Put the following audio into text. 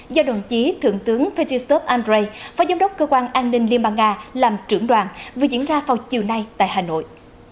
do đồng chí thượng tướng fedy stov andrei phó giám đốc cơ quan an ninh liên bang nga làm trưởng đoàn vừa diễn ra vào chiều nay tại hà nội